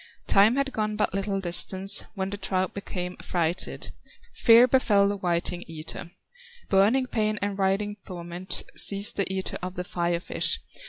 Time had gone but little distance, When the trout became affrighted, Fear befel the whiting eater; Burning pain and writhing torment Seized the eater of the Fire fish.